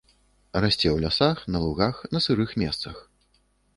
Расце ў лясах, на лугах, на сырых месцах.